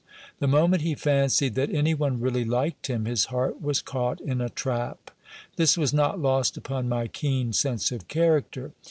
The moment he fancied that any one really liked him, his heart was caught in a trap. This was not lost upon my keen sense of character.